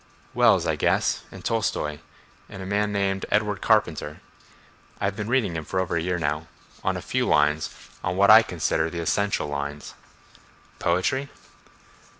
"Wells, I guess, and Tolstoi, and a man named Edward Carpenter. I've been reading for over a year now—on a few lines, on what I consider the essential lines." "Poetry?"